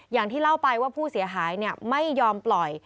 อย่างที่เล่าไปว่าผู้เสียหายไม่ยอมปล่อย